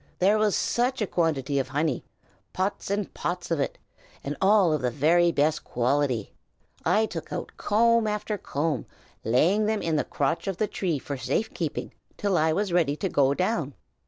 There was such a quantity of honey, pots and pots of it! and all of the very best quality. I took out comb after comb, laying them in the crotch of the tree for safe keeping till I was ready to go down."